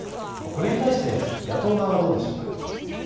これに対して野党側はどうでしょうか。